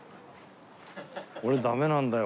俺ダメなんだよ。